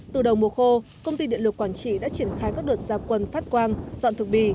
từ đầu mùa khô công ty điện lực quảng trị đã triển khai các đợt gia quân phát quang dọn thực bì